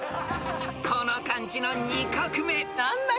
この漢字の２画目。